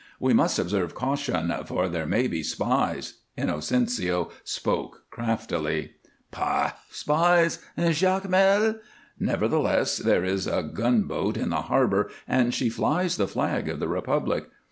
We must observe caution, for there may be spies " Inocencio spoke craftily. "Pah! Spies? In Jacmel?" "Nevertheless, there is a gunboat in the harbor and she flies the flag of the Republic.